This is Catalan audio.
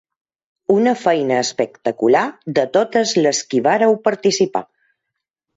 Una feina espectacular de totes les qui vareu participar.